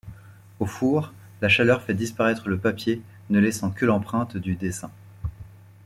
Au four, la chaleur fait disparaître le papier ne laissant que l'empreinte du dessin.